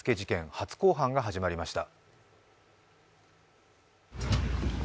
初公判が始まりました。